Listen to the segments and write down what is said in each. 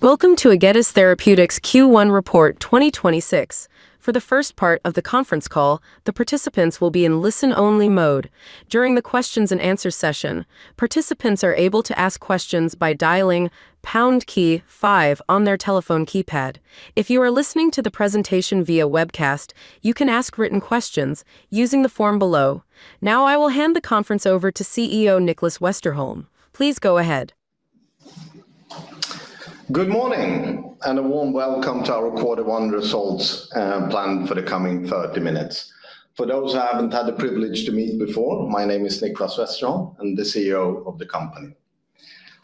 Welcome to Egetis Therapeutics Q1 Report 2026. For the first part of the conference call, the participants will be in listen-only mode. During the questions and answers session, participants are able to ask questions by dialing pound key five on their telephone keypad. If you are listening to the presentation via webcast, you can ask written questions using the form below. Now, I will hand the conference over to CEO Nicklas Westerholm. Please go ahead. Good morning, and a warm welcome to our quarter one results, planned for the coming 30 minutes. For those who haven't had the privilege to meet before, my name is Nicklas Westerholm. I'm the CEO of the company.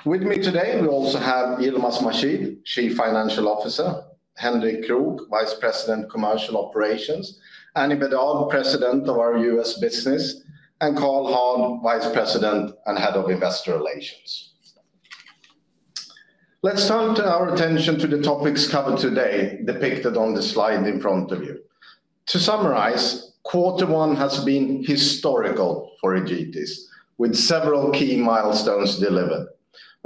With me today, we also have Yilmaz Mahshid, Chief Financial Officer, Henrik Krook, Vice President, Commercial Operations, Anny Bedard, President of our U.S. business, and Karl Hård, Vice President and Head of Investor Relations. Let's turn to our attention to the topics covered today depicted on the slide in front of you. To summarize, quarter one has been historical for Egetis, with several key milestones delivered.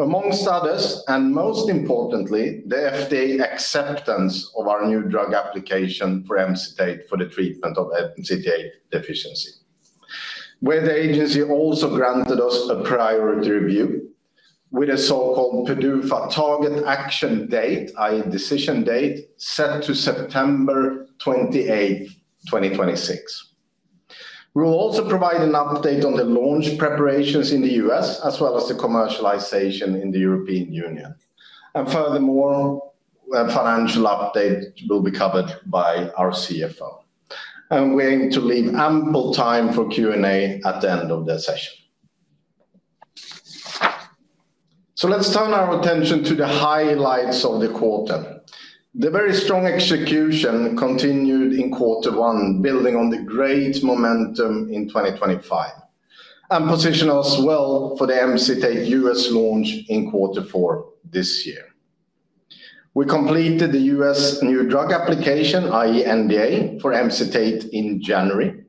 Amongst others, and most importantly, the FDA acceptance of our new drug application for Emcitate for the treatment of MCT8 deficiency, where the agency also granted us a priority review with a so-called PDUFA target action date, i.e., decision date, set to September 28th, 2026. We'll also provide an update on the launch preparations in the U.S., as well as the commercialization in the European Union. Furthermore, a financial update will be covered by our CFO. We aim to leave ample time for Q&A at the end of the session. Let's turn our attention to the highlights of the quarter. The very strong execution continued in quarter one, building on the great momentum in 2025, and position us well for the Emcitate U.S. launch in quarter four this year. We completed the U.S. new drug application, i.e., NDA, for Emcitate in January.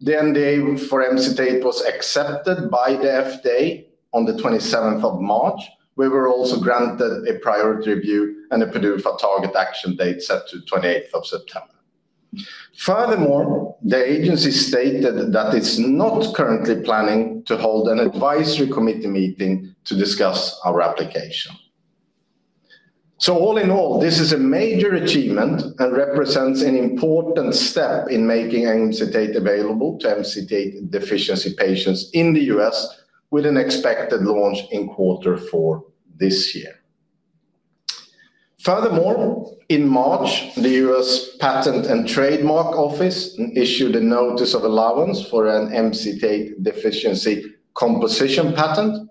The NDA for Emcitate was accepted by the FDA on the 27th of March. We were also granted a priority review and a PDUFA target action date set to 28th of September. The agency stated that it's not currently planning to hold an advisory committee meeting to discuss our application. All in all, this is a major achievement and represents an important step in making Emcitate available to MCT8 deficiency patients in the U.S. with an expected launch in Q4 this year. In March, the United States Patent and Trademark Office issued a notice of allowance for an MCT8 deficiency composition patent.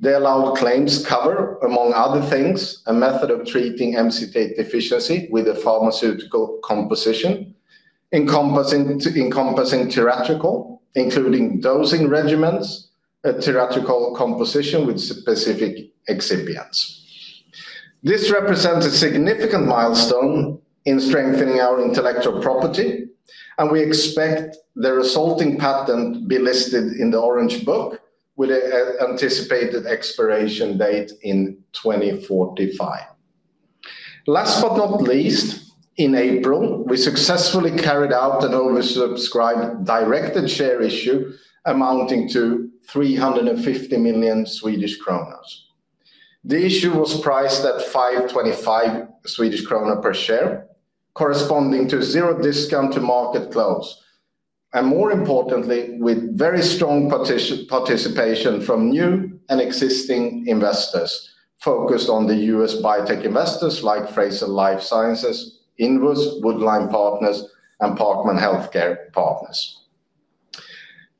The allowed claims cover, among other things, a method of treating MCT8 deficiency with a pharmaceutical composition encompassing tiratricol, including dosing regimens, a tiratricol composition with specific excipients. This represents a significant milestone in strengthening our intellectual property, and we expect the resulting patent be listed in the Orange Book with an anticipated expiration date in 2045. Last but not least, in April, we successfully carried out an oversubscribed directed share issue amounting to 350 million. The issue was priced at 5.25 Swedish krona per share, corresponding to 0 discount to market close, and more importantly, with very strong participation from new and existing investors focused on the U.S. biotech investors like Frazier Life Sciences, Invus, Woodline Partners, and Parkman Healthcare Partners.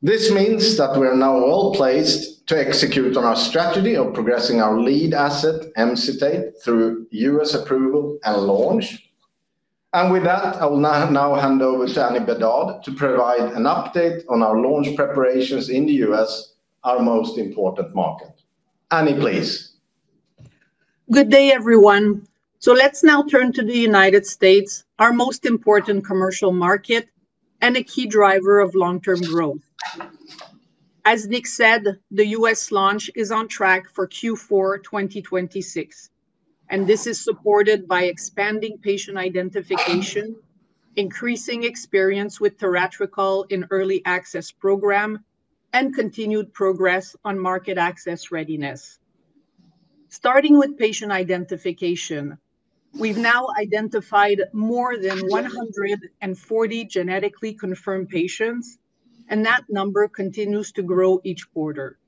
This means that we are now well-placed to execute on our strategy of progressing our lead asset, Emcitate, through U.S. approval and launch. With that, I will now hand over to Anny Bedard to provide an update on our launch preparations in the U.S., our most important market. Anny, please. Good day, everyone. Let's now turn to the U.S., our most important commercial market and a key driver of long-term growth. As Nicklas said, the U.S. launch is on track for Q4 2026, and this is supported by expanding patient identification, increasing experience with tiratricol in early access program, and continued progress on market access readiness. Starting with patient identification, we've now identified more than 140 genetically confirmed patients, and that number continues to grow each quarter.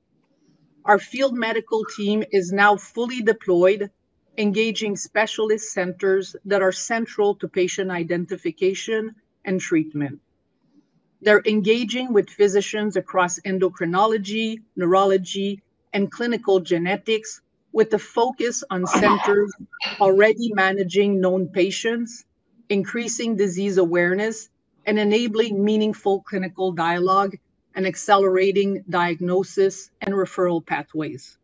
Our field medical team is now fully deployed, engaging specialist centers that are central to patient identification and treatment. They're engaging with physicians across endocrinology, neurology, and clinical genetics with a focus on centers already managing known patients, increasing disease awareness, and enabling meaningful clinical dialogue, and accelerating diagnosis and referral pathways.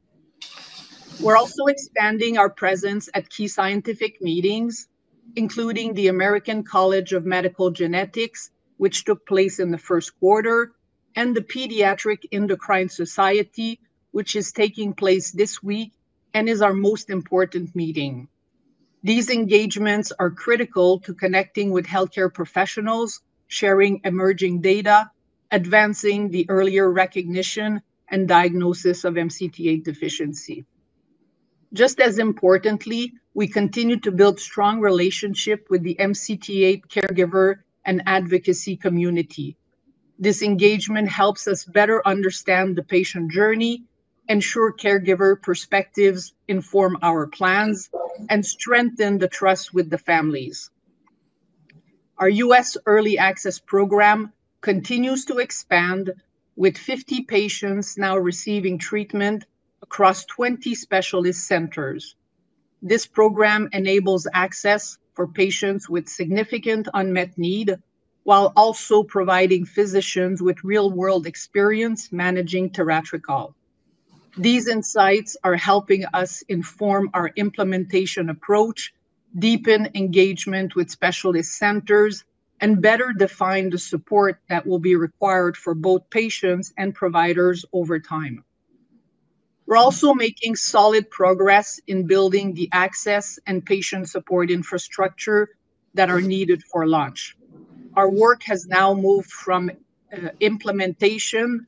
We're also expanding our presence at key scientific meetings, including the American College of Medical Genetics, which took place in the Q1, and the Pediatric Endocrine Society, which is taking place this week and is our most important meeting. These engagements are critical to connecting with healthcare professionals, sharing emerging data, advancing the earlier recognition and diagnosis of MCT8 deficiency. Just as importantly, we continue to build strong relationship with the MCT8 caregiver and advocacy community. This engagement helps us better understand the patient journey, ensure caregiver perspectives inform our plans, and strengthen the trust with the families. Our U.S. Early Access Program continues to expand with 50 patients now receiving treatment across 20 specialist centers. This program enables access for patients with significant unmet need, while also providing physicians with real-world experience managing tiratricol. These insights are helping us inform our implementation approach, deepen engagement with specialist centers, and better define the support that will be required for both patients and providers over time. We're also making solid progress in building the access and patient support infrastructure that are needed for launch. Our work has now moved from implementation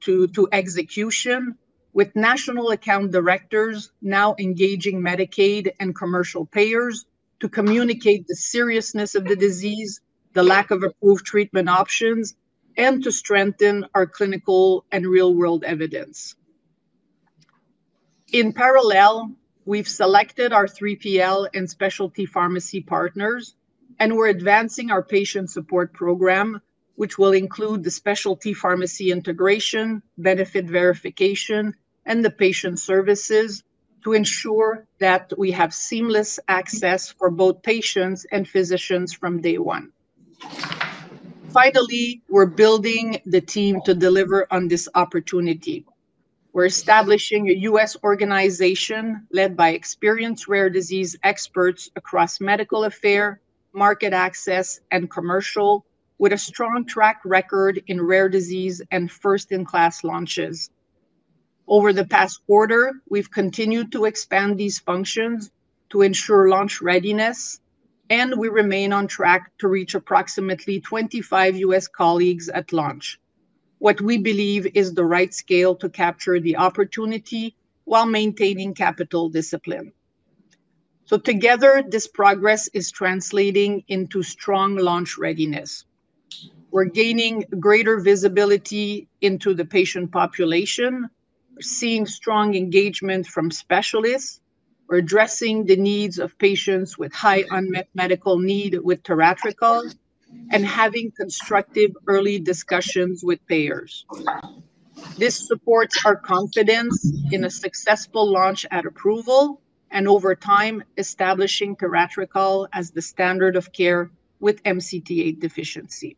to execution, with national account directors now engaging Medicaid and commercial payers to communicate the seriousness of the disease, the lack of approved treatment options, and to strengthen our clinical and real-world evidence. In parallel, we've selected our 3PL and specialty pharmacy partners, and we're advancing our patient support program, which will include the specialty pharmacy integration, benefit verification, and the patient services to ensure that we have seamless access for both patients and physicians from day one. We're building the team to deliver on this opportunity. We're establishing a U.S. organization led by experienced rare disease experts across medical affairs, market access, and commercial, with a strong track record in rare disease and first-in-class launches. Over the past quarter, we've continued to expand these functions to ensure launch readiness. We remain on track to reach approximately 25 U.S. colleagues at launch, what we believe is the right scale to capture the opportunity while maintaining capital discipline. Together, this progress is translating into strong launch readiness. We're gaining greater visibility into the patient population. We're seeing strong engagement from specialists. We're addressing the needs of patients with high unmet medical need with tiratricol, having constructive early discussions with payers. This supports our confidence in a successful launch at approval, over time, establishing tiratricol as the standard of care with MCT8 deficiency.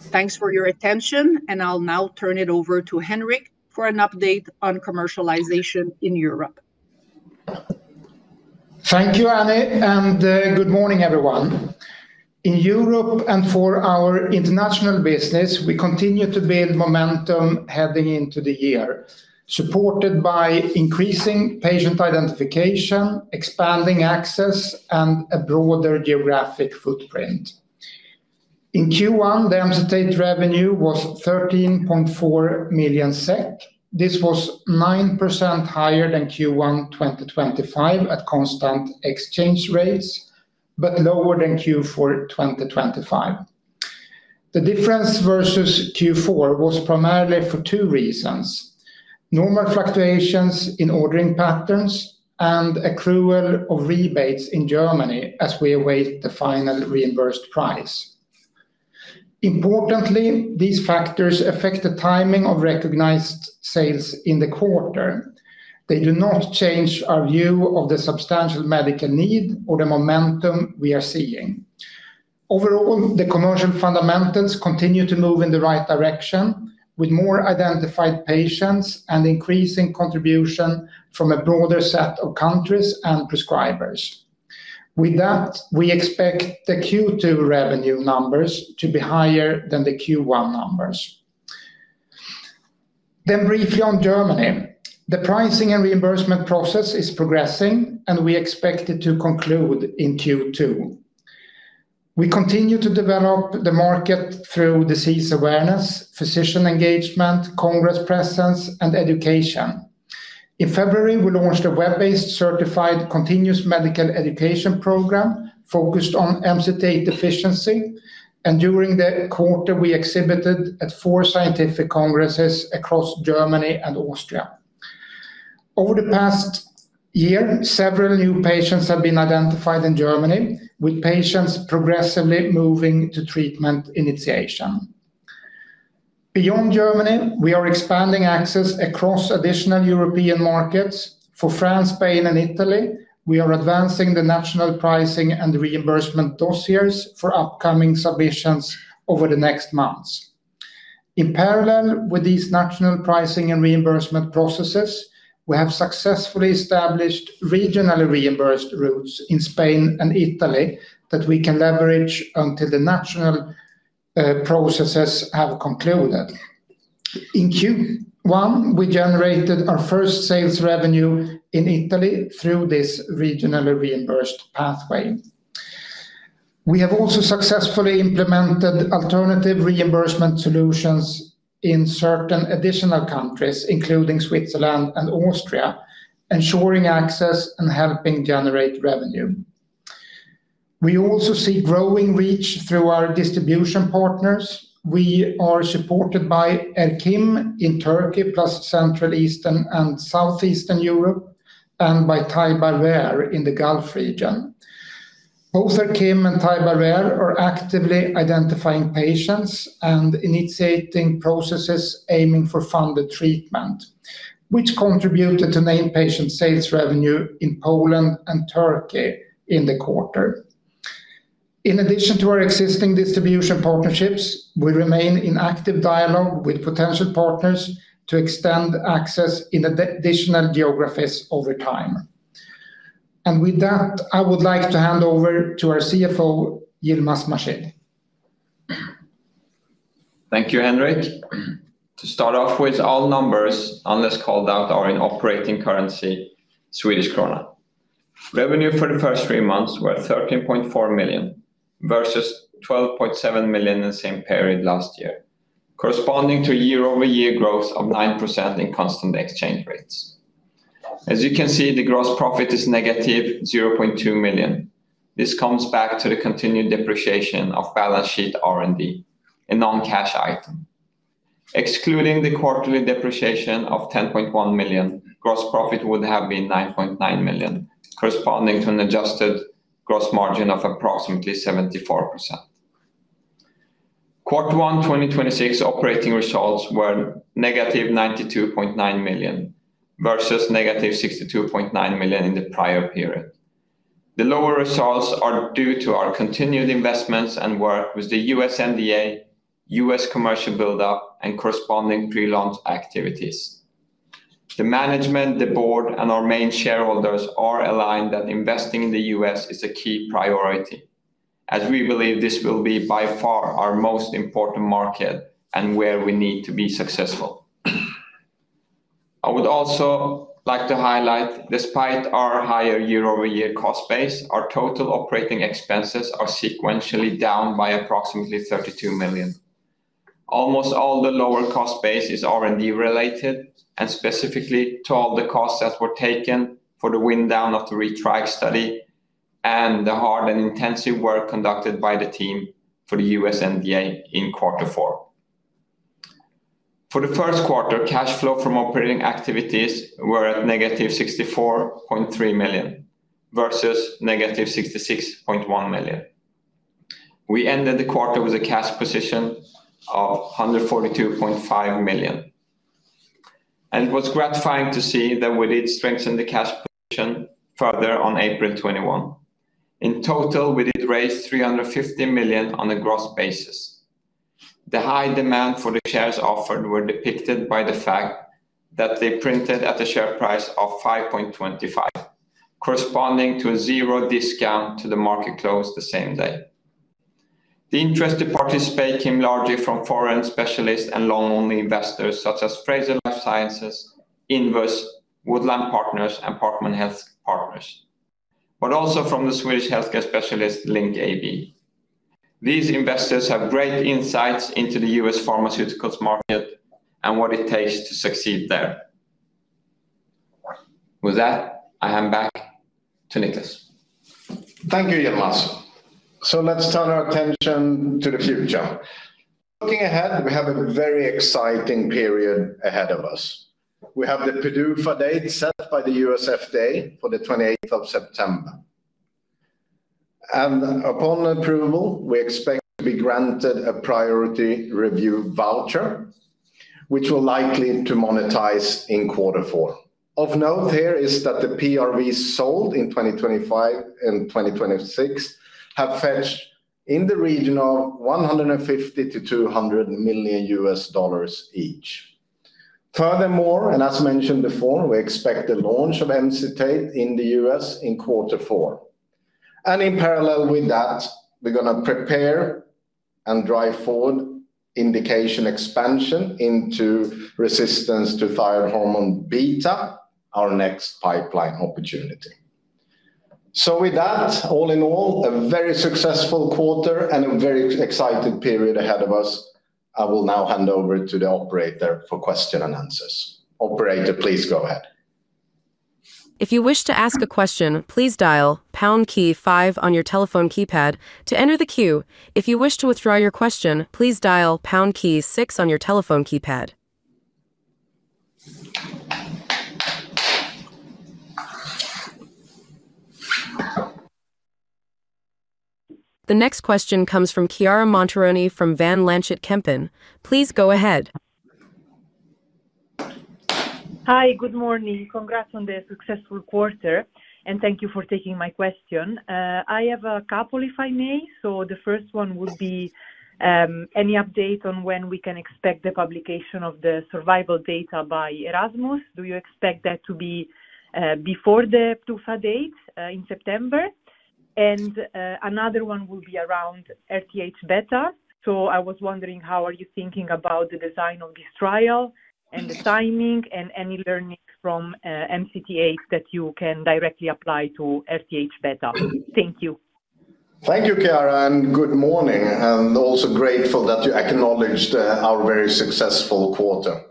Thanks for your attention. I'll now turn it over to Henrik for an update on commercialization in Europe. Thank you, Anny Bedard, good morning, everyone. In Europe and for our international business, we continue to build momentum heading into the year, supported by increasing patient identification, expanding access, and a broader geographic footprint. In Q1, the MCT8 revenue was 13.4 million SEK. This was 9% higher than Q1 2025 at constant exchange rates, but lower than Q4 2025. The difference versus Q4 was primarily for 2 reasons: normal fluctuations in ordering patterns and accrual of rebates in Germany as we await the final reimbursed price. Importantly, these factors affect the timing of recognized sales in the quarter. They do not change our view of the substantial medical need or the momentum we are seeing. Overall, the commercial fundamentals continue to move in the right direction, with more identified patients and increasing contribution from a broader set of countries and prescribers. We expect the Q2 revenue numbers to be higher than the Q1 numbers. Briefly on Germany. The pricing and reimbursement process is progressing, and we expect it to conclude in Q2. We continue to develop the market through disease awareness, physician engagement, congress presence, and education. In February, we launched a web-based certified continuous medical education program focused on MCT8 deficiency, and during the quarter, we exhibited at 4 scientific congresses across Germany and Austria. Over the past year, several new patients have been identified in Germany, with patients progressively moving to treatment initiation. Beyond Germany, we are expanding access across additional European markets. For France, Spain, and Italy, we are advancing the national pricing and reimbursement dossiers for upcoming submissions over the next months. In parallel with these national pricing and reimbursement processes, we have successfully established regionally reimbursed routes in Spain and Italy that we can leverage until the national processes have concluded. In Q1, we generated our first sales revenue in Italy through this regionally reimbursed pathway. We have also successfully implemented alternative reimbursement solutions in certain additional countries, including Switzerland and Austria, ensuring access and helping generate revenue. We also see growing reach through our distribution partners. We are supported by Er-Kim in Turkey, plus Central Eastern and Southeastern Europe, and by Taiba rare in the Gulf region. Both Er-Kim and Taiba rare are actively identifying patients and initiating processes aiming for funded treatment, which contributed to name patient sales revenue in Poland and Turkey in the quarter. In addition to our existing distribution partnerships, we remain in active dialogue with potential partners to extend access in additional geographies over time. With that, I would like to hand over to our CFO, Yilmaz Mahshid. Thank you, Henrik. To start off with, all numbers, unless called out, are in operating currency Swedish krona. Revenue for the first three months were 13.4 million, versus 12.7 million the same period last year, corresponding to year-over-year growth of 9% in constant exchange rates. As you can see, the gross profit is negative 0.2 million. This comes back to the continued depreciation of balance sheet R&D, a non-cash item. Excluding the quarterly depreciation of 10.1 million, gross profit would have been 9.9 million, corresponding to an adjusted gross margin of approximately 74%. Q1 2026 operating results were negative 92.9 million, versus negative 62.9 million in the prior period. The lower results are due to our continued investments and work with the U.S. NDA, U.S. commercial build-up, and corresponding pre-launch activities. The management, the board, and our main shareholders are aligned that investing in the U.S. is a key priority, as we believe this will be by far our most important market and where we need to be successful. I would also like to highlight, despite our higher year-over-year cost base, our total operating expenses are sequentially down by approximately 32 million. Almost all the lower cost base is R&D related, and specifically to all the costs that were taken for the wind down of the ReTRIACt study and the hard and intensive work conducted by the team for the U.S. NDA in Q4. For the Q1, cash flow from operating activities were at negative 64.3 million, versus negative 66.1 million. We ended the quarter with a cash position of 142.5 million. It was gratifying to see that we did strengthen the cash position further on April 21. In total, we did raise 350 million on a gross basis. The high demand for the shares offered were depicted by the fact that they printed at a share price of 5.25, corresponding to a zero discount to the market close the same day. The interest to participate came largely from foreign specialists and long-only investors such as Frazier Life Sciences, Invus, Woodline Partners, and Parkman Healthcare Partners, but also from the Swedish healthcare specialist, Linc AB. These investors have great insights into the U.S. pharmaceuticals market and what it takes to succeed there. With that, I hand back to Nicklas. Thank you, Yilmaz. Let's turn our attention to the future. Looking ahead, we have a very exciting period ahead of us. We have the PDUFA date set by the U.S. FDA for the 28th of September. Upon approval, we expect to be granted a priority review voucher, which we're likely to monetize in quarter four. Of note here is that the PRVs sold in 2025 and 2026 have fetched in the region of $150 million-$200 million US dollars each. Furthermore, as mentioned before, we expect the launch of Emcitate in the U.S. in quarter four. In parallel with that, we're gonna prepare and drive forward indication expansion into Resistance to Thyroid Hormone beta, our next pipeline opportunity. With that, all in all, a very successful quarter and a very exciting period ahead of us. I will now hand over to the operator for question and answers. Operator, please go ahead. The next question comes from Chiara Montironi from Van Lanschot Kempen. Please go ahead. Hi, good morning. Congrats on the successful quarter. Thank you for taking my question. I have a couple, if I may. The first one would be, any update on when we can expect the publication of the survival data by Erasmus? Do you expect that to be before the PDUFA date in September? Another one will be around RTH-beta. I was wondering, how are you thinking about the design of this trial and the timing and any learning from MCT8 that you can directly apply to RTH-beta? Thank you. Thank you, Chiara, and good morning, and also grateful that you acknowledged our very successful quarter.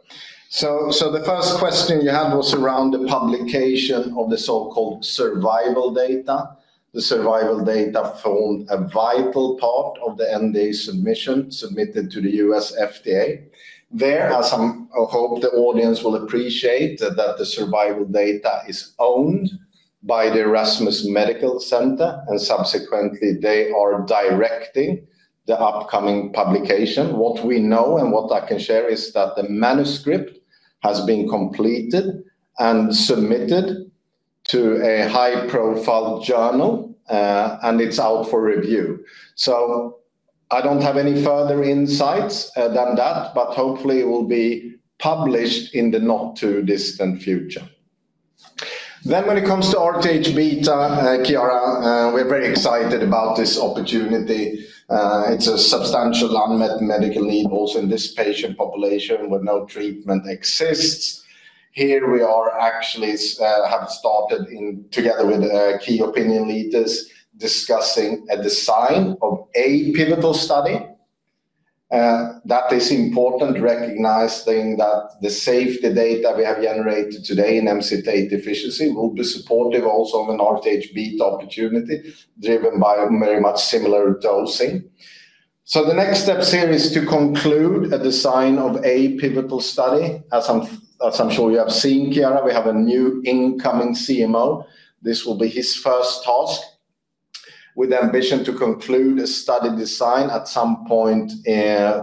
The first question you had was around the publication of the so-called survival data. The survival data formed a vital part of the NDA submission submitted to the U.S. FDA. There, I hope the audience will appreciate that the survival data is owned by the Erasmus University Medical Center, and subsequently, they are directing the upcoming publication. What we know and what I can share is that the manuscript has been completed and submitted to a high-profile journal, and it's out for review. I don't have any further insights than that, but hopefully it will be published in the not-too-distant future. When it comes to RTH-beta, Chiara, we're very excited about this opportunity. It's a substantial unmet medical need also in this patient population where no treatment exists. Here we are actually have started in together with key opinion leaders discussing a design of a pivotal study that is important, recognizing that the safety data we have generated today in MCT8 deficiency will be supportive also of an RTH-beta opportunity driven by very much similar dosing. The next step here is to conclude a design of a pivotal study. As I'm sure you have seen, Chiara, we have a new incoming CMO. This will be his first task with ambition to conclude a study design at some point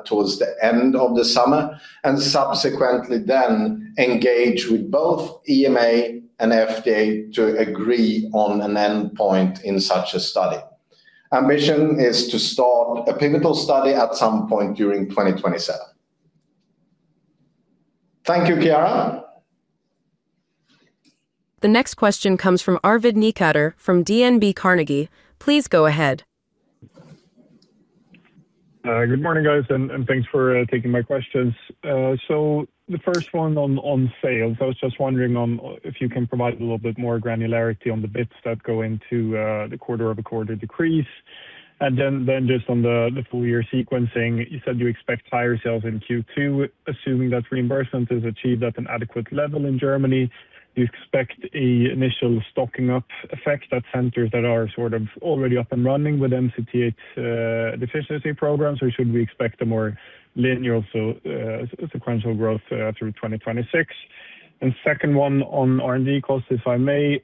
towards the end of the summer, and subsequently then engage with both EMA and FDA to agree on an endpoint in such a study. Our mission is to start a pivotal study at some point during 2027. Thank you, Chiara. The next question comes from Arvid Necander from DNB Carnegie. Please go ahead. Good morning, guys, and thanks for taking my questions. The first one on sales, I was just wondering on if you can provide a little bit more granularity on the bits that go into the quarter-over-quarter decrease. Just on the full year sequencing, you said you expect higher sales in Q2, assuming that reimbursement is achieved at an adequate level in Germany. Do you expect a initial stocking up effect at centers that are sort of already up and running with MCT8 deficiency programs, or should we expect a more linear, sequential growth through 2026? Second one on R&D costs, if I may.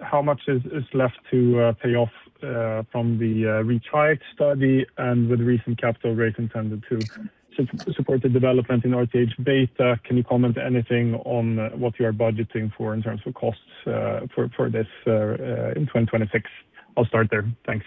How much is left to pay off from the ReTRIACt study and with recent capital raise intended to support the development in RTH-beta? Can you comment anything on what you are budgeting for in terms of costs, for this, in 2026? I'll start there. Thanks.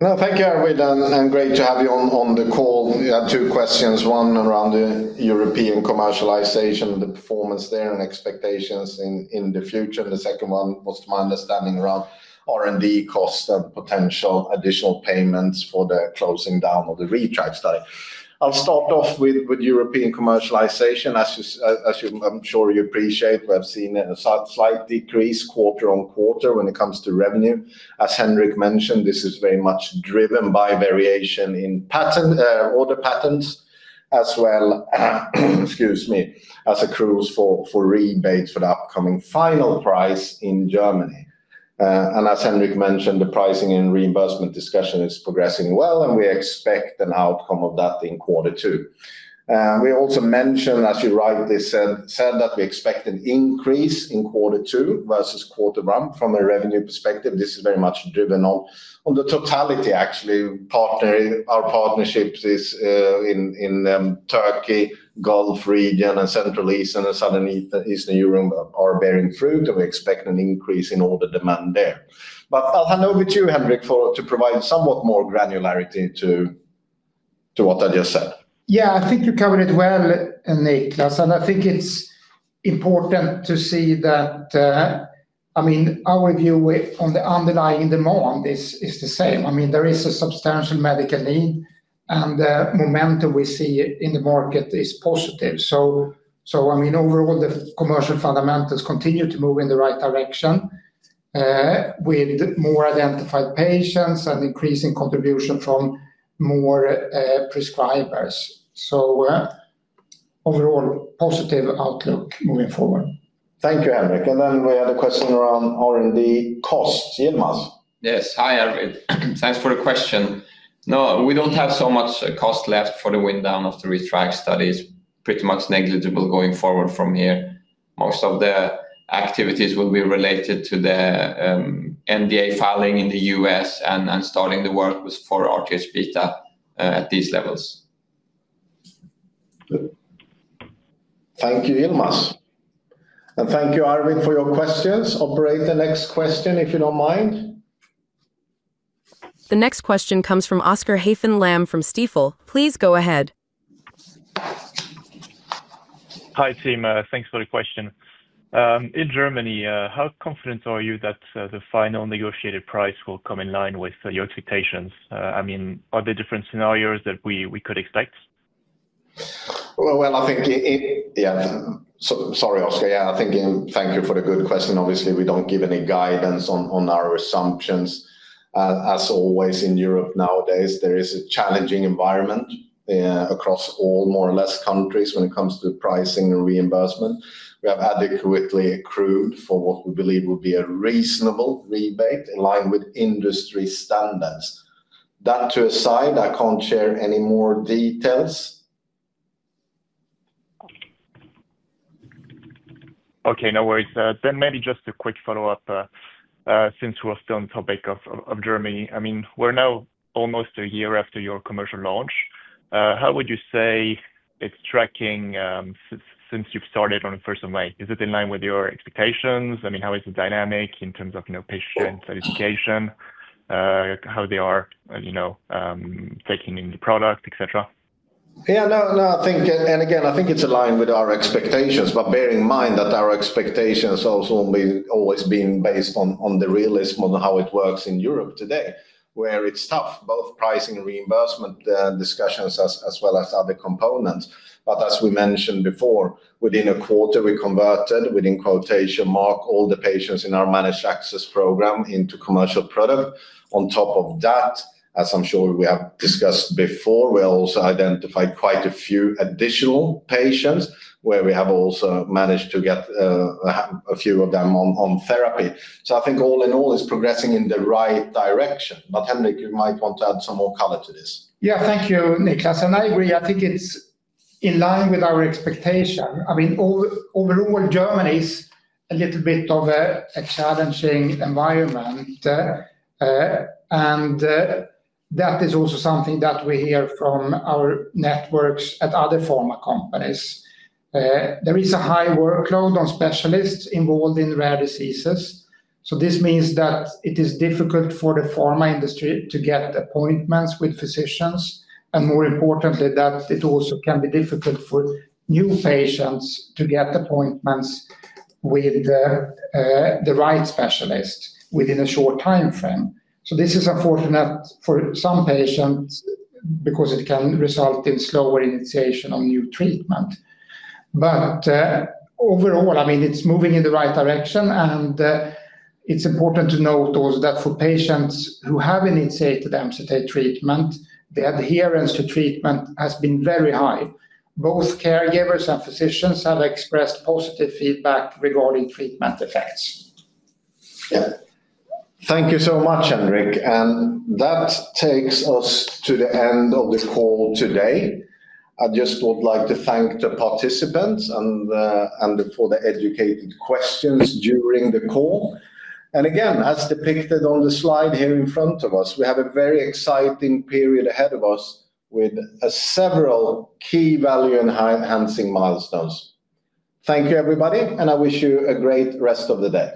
No, thank you, Arvid Necander, and great to have you on the call. You had two questions, one around the European commercialization, the performance there and expectations in the future. The second one was to my understanding around R&D costs and potential additional payments for the closing down of the ReTRIACt study. I'll start off with European commercialization. I'm sure you appreciate, we have seen a slight decrease quarter-on-quarter when it comes to revenue. As Henrik Krook mentioned, this is very much driven by variation in pattern, order patterns as well excuse me, as accruals for rebates for the upcoming final price in Germany. As Henrik Krook mentioned, the pricing and reimbursement discussion is progressing well, and we expect an outcome of that in quarter two. We also mentioned, as you rightly said, that we expect an increase in quarter two versus quarter one from a revenue perspective. This is very much driven on the totality, actually. Partnering our partnerships is in Turkey, Gulf region and Central East and Southern Eastern Europe are bearing fruit, and we expect an increase in order demand there. I'll hand over to you, Henrik, to provide somewhat more granularity to what I just said. Yeah, I think you covered it well, Nicklas. I think it's important to see that, I mean, our view on the underlying demand is the same. I mean, there is a substantial medical need. The momentum we see in the market is positive. I mean, overall, the commercial fundamentals continue to move in the right direction, with more identified patients and increasing contribution from more prescribers. Overall, positive outlook moving forward. Thank you, Henrik. We had a question around R&D costs. Yilmaz. Yes. Hi, Arvid. Thanks for the question. No, we don't have so much cost left for the wind down of the ReTRIACt studies. Pretty much negligible going forward from here. Most of the activities will be related to the NDA filing in the U.S. and starting the work for RTH-beta. at these levels Thank you, Yilmaz. Thank you, Arvid, for your questions. Operator, the next question, if you don't mind. The next question comes from Oscar Haffen-Lamm from Stifel. Please go ahead. Hi team. Thanks for the question. In Germany, how confident are you that the final negotiated price will come in line with your expectations? I mean, are there different scenarios that we could expect? Well, I think it. Yeah. Sorry, Oscar. Yeah, I think, thank you for the good question. Obviously, we don't give any guidance on our assumptions. As always, in Europe nowadays, there is a challenging environment across all more or less countries when it comes to pricing and reimbursement. We have adequately accrued for what we believe would be a reasonable rebate in line with industry standards. That to a side, I can't share any more details. Okay, no worries. Maybe just a quick follow-up since we're still on topic of Germany. I mean, we're now almost a year after your commercial launch. How would you say it's tracking since you've started on first of May? Is it in line with your expectations? I mean, how is the dynamic in terms of, you know, patient certification, how they are, you know, taking in the product, et cetera? I think it's aligned with our expectations. Bear in mind that our expectations also will be always been based on the realism on how it works in Europe today, where it's tough, both pricing and reimbursement discussions as well as other components. As we mentioned before, within a quarter, we converted within quotation mark all the patients in our managed access program into commercial product. On top of that, as I'm sure we have discussed before, we also identified quite a few additional patients where we have also managed to get a few of them on therapy. I think all in all, it's progressing in the right direction. Henrik, you might want to add some more color to this. Thank you, Nicklas. I agree. I think it's in line with our expectation. I mean, overall, Germany's a little bit of a challenging environment, that is also something that we hear from our networks at other pharma companies. There is a high workload on specialists involved in rare diseases, this means that it is difficult for the pharma industry to get appointments with physicians. More importantly, that it also can be difficult for new patients to get appointments with the right specialist within a short timeframe. This is unfortunate for some patients because it can result in slower initiation on new treatment. Overall, I mean, it's moving in the right direction. It's important to note also that for patients who have initiated the Emcitate treatment, the adherence to treatment has been very high. Both caregivers and physicians have expressed positive feedback regarding treatment effects. Yeah. Thank you so much, Henrik. That takes us to the end of the call today. I just would like to thank the participants and for the educated questions during the call. Again, as depicted on the slide here in front of us, we have a very exciting period ahead of us with several key value-enhancing milestones. Thank you everybody, and I wish you a great rest of the day.